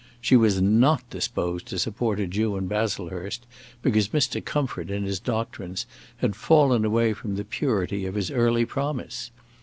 She was not disposed to support a Jew in Baslehurst because Mr. Comfort, in his doctrines, had fallen away from the purity of his early promise.